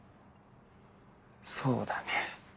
そうだね。